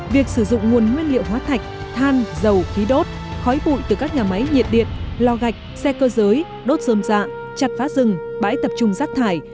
việc sử dụng nguồn nguyên liệu hóa thạch than dầu khí đốt khói bụi từ các nhà máy nhiệt điện lò gạch xe cơ giới đốt dơm dạ chặt phá rừng bãi tập trung rác thải